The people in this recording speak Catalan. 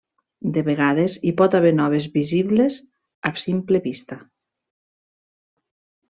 De vegades hi pot haver noves visibles a simple vista.